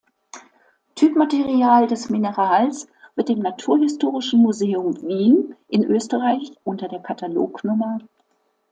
Typmaterial des Minerals wird im Naturhistorischen Museum Wien in Österreich unter der Katalog-Nr.